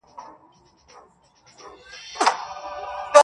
نور مې څه و نه شوای لیکلی